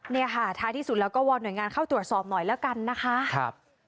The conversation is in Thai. เนี่ยค่ะท้ายที่สุดแล้วก็วอนหน่วยงานเข้าตรวจสอบหน่อยแล้วกันนะคะ